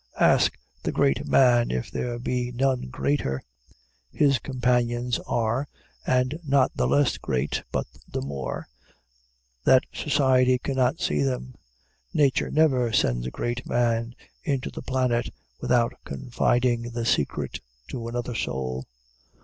Ask the great man if there be none greater. His companions are; and not the less great, but the more, that society cannot see them. Nature never sends a great man into the planet without confiding the secret to another soul.